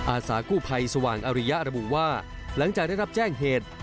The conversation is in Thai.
อาสากู้ภัยสว่างอริยะระบุว่าหลังจากได้รับแจ้งเหตุ